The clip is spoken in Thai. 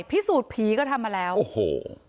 พิสูจน์ผีก็ทำมาแล้วโอ้โห